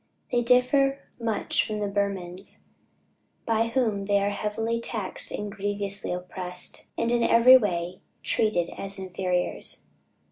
They differ much from the Burmans, by whom they are heavily taxed and grievously oppressed, and in every way treated as inferiors.